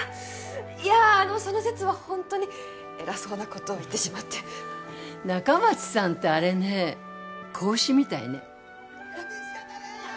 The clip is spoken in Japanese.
いやあのその節はほんとに偉そうなことを言ってしまって仲町さんってあれね子牛みたいねへっ？